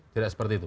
tidak seperti itu